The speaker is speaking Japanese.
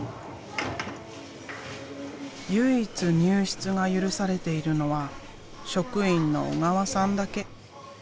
唯一入室が許されているのは職員の小川さんだけ。